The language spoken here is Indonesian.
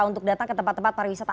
untuk datang ke tempat tempat pariwisata